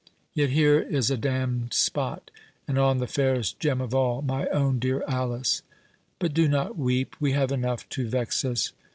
Yet here is a damned spot, and on the fairest gem of all—my own dear Alice. But do not weep—we have enough to vex us.